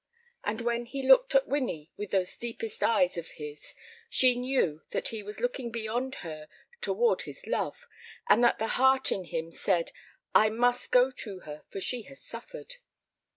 And when he looked at Winnie with those deepset eyes of his she knew that he was looking beyond her toward his love, and that the heart in him said: "I must go to her, for she has suffered."